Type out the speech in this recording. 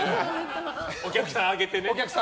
お客さん上げてね。